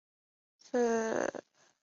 卒于乾隆四十二年。